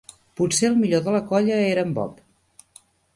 Potser el millor de la colla era en Bob